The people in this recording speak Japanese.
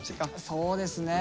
そうですね。